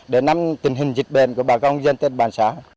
để nắm tình hình dịch bệnh của bà con dân tên bà xã